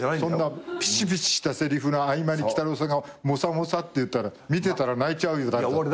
そんなぴちぴちしたせりふの合間にきたろうさんがもさもさって言ったら見てたら泣いちゃうよ。